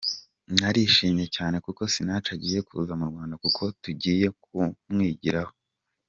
Narishimye cyane ko Sinach agiye kuza mu Rwanda kuko tugiye kumwigiraho.